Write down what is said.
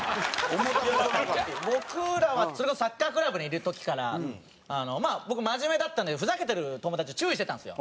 僕らはそれこそサッカークラブにいる時から僕真面目だったんでふざけてる友達を注意してたんですよ。